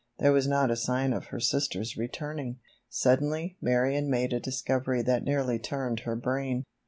There was not a sign of her sister's returning. Suddenly Marion made a discovery that nearly turned her brain.